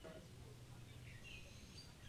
mà wunye akụnụba ha na steeti Anambra